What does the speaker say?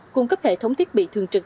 cung cấp hệ thống thiết bị thường trực